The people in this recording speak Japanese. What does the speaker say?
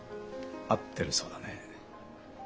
会ってるそうだね？